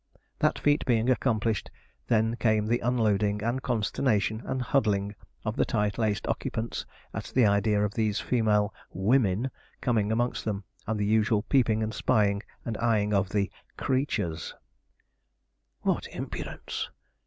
That feat being accomplished, then came the unloading, and consternation, and huddling of the tight laced occupants at the idea of these female women coming amongst them, and the usual peeping and spying, and eyeing of the 'creatures.' 'What impudence!'